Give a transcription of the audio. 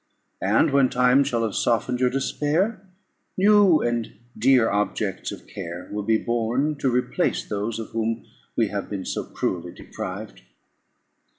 And when time shall have softened your despair, new and dear objects of care will be born to replace those of whom we have been so cruelly deprived."